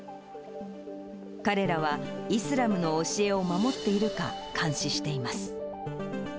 彼らは、イスラムの教えを守っているか、監視しています。